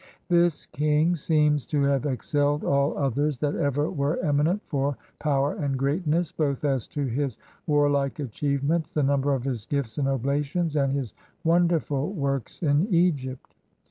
This king seems to have excelled all others that ever were eminent for power and greatness, both as to his warlike achieve ments, the number of his gifts and oblations, and his wonderful works in Egypt.